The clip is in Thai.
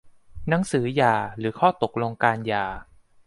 หนังสือหย่าหรือข้อตกลงการหย่า